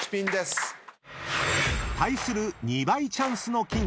［対する２倍チャンスのキンキ］